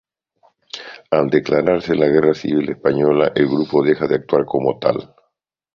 Al declararse la Guerra Civil Española el grupo deja de actuar como tal.